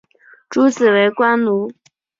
诸子为官奴。